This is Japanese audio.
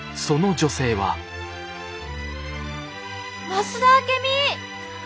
増田明美！